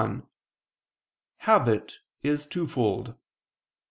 1), habit is twofold.